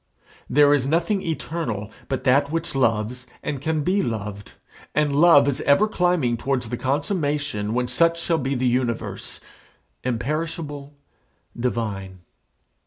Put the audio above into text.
There is nothing eternal but that which loves and can be loved, and love is ever climbing towards the consummation when such shall be the universe, imperishable, divine.